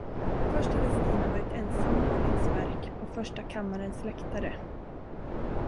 Först hade Stina varit ensam med Hallings verk på Första kammarens läktare.